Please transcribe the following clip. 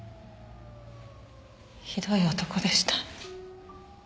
ひどい男でした。